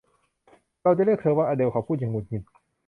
เราจะเรียกเธอว่าอะเดลเขาพูดอย่างหงุดหงิด